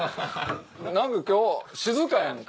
何か今日静かやんか。